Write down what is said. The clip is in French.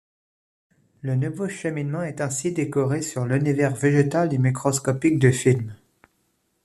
Le nouveau cheminement est ainsi décoré sur l'univers végétal et microscopique du film.